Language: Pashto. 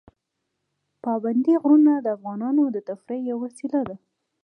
پابندی غرونه د افغانانو د تفریح یوه وسیله ده.